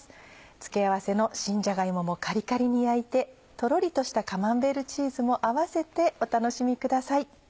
付け合わせの新じゃが芋もカリカリに焼いてとろりとしたカマンベールチーズも合わせてお楽しみください。